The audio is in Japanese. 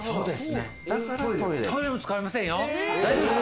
だからトイトイレも使えませんよ。